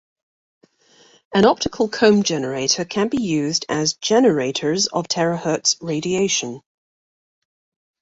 An optical comb generator can be used as generators of terahertz radiation.